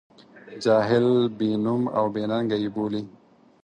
جاهل، بې نوم او بې ننګه یې بولي.